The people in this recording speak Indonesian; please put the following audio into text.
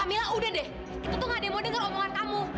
kamila udah deh itu tuh gak ada yang mau denger omongan kamu